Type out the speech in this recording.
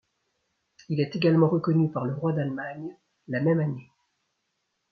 Il est également reconnu par le roi d'Allemagne la même année.